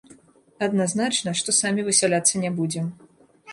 Адназначна, што самі высяляцца не будзем.